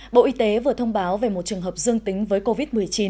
bộ y tế vừa thông báo về một trường hợp dương tính với covid một mươi chín